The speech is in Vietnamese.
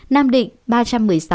nam định ba trăm một mươi sáu